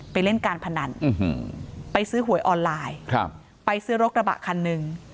ไปเล่นการพนันไปซื้อหวยออนไลน์ไปซื้อรถกระบะคันหนึ่ง